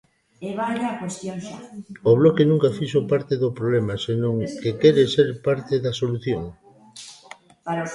O Bloque nunca fixo parte do problema senón que quere ser parte da solución.